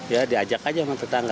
ya diajak aja sama tetangga